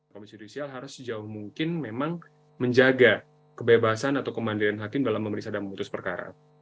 komisi yudisial harus sejauh mungkin memang menjaga kebebasan atau kemandiran hakim dalam memberi sadar memutus perkara